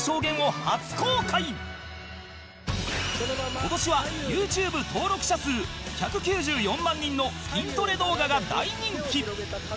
今年は ＹｏｕＴｕｂｅ 登録者数１９４万人の筋トレ動画が大人気